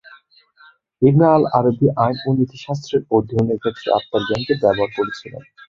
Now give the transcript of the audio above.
ইবনে al Arabi আইন ও নীতিশাস্ত্রের অধ্যয়নের ক্ষেত্রে আত্মার জ্ঞানকে ব্যবহার করেছিলেন।